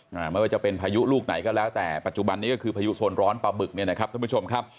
ไม่ว่าจะเป็นพายุลูกไหนก็แล้วแต่ปัจจุบันนี้ก็คือพายุโซนร้อนปลาบึกเนี่ยนะครับท่านผู้ชมครับ